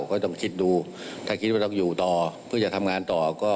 ก็ต้องคิดดูถ้าคิดว่าต้องอยู่ต่อเพื่อจะทำงานต่อก็